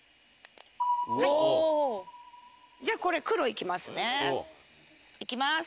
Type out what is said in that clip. はいおおーじゃあこれ黒いきますねいきます